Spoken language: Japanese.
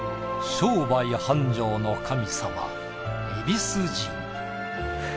商売繁盛の神様恵比須神。